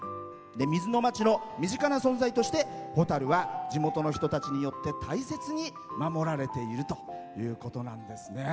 水の町の身近な存在としてホタルは地元の人たちによって大切に守られているということなんです。